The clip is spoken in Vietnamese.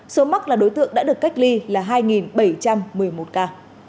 số mắc là đối tượng đã được cách ly là hai bảy trăm một mươi một ca